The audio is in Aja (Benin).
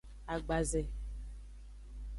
Agbaze.